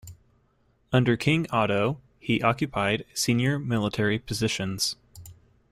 Under King Otto, he occupied senior military positions.